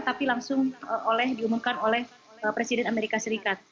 tapi langsung oleh diumumkan oleh presiden amerika serikat